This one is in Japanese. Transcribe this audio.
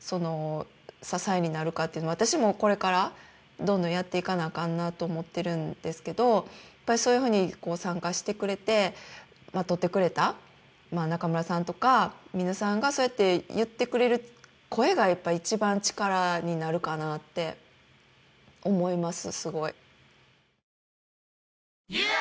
支えになるかっていうの私もこれからどんどんやっていかなあかんなと思ってるんですけどそういうふうに参加してくれて撮ってくれた中村さんとか皆さんがそうやって言ってくれる声が一番力になるかなって思います